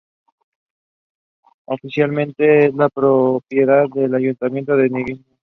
Oficialmente es la propiedad del Ayuntamiento de Nimega.